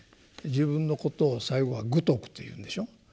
自分のことを最後は愚禿と言うでしょ。